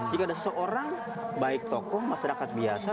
jika ada seseorang baik tokoh masyarakat biasa